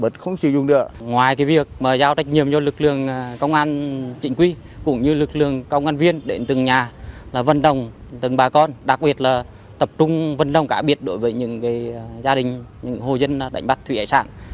cùng với lực lượng công an trịnh quy cũng như lực lượng công an viên đến từng nhà vận đồng từng bà con đặc biệt là tập trung vận đồng khác biệt đối với những gia đình những hồ dân đánh bắt thủy hải sản